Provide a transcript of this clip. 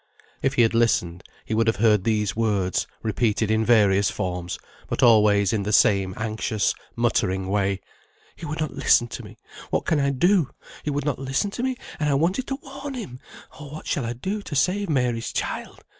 If he had listened, he would have heard these words, repeated in various forms, but always in the same anxious, muttering way. "He would not listen to me; what can I do? He would not listen to me, and I wanted to warn him! Oh, what shall I do to save Mary's child?